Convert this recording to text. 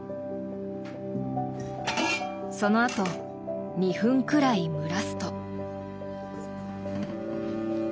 そのあと２分くらい蒸らすと。